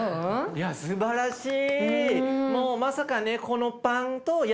いやすばらしい。